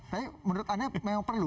tapi menurut anda memang perlu